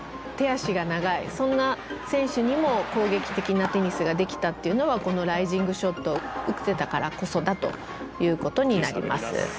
そんな選手にも攻撃的なテニスができたっていうのはこのライジングショットを打ってたからこそだということになります。